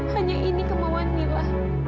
hanya ini kemauan mila